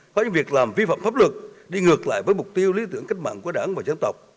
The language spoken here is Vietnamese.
có những việc làm vi phạm pháp luật đi ngược lại với mục tiêu lý tưởng cách mạng của đảng và dân tộc